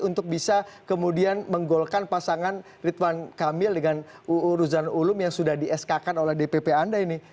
untuk bisa kemudian menggolkan pasangan ridwan kamil dengan uu ruzan ulum yang sudah di sk kan oleh dpp anda ini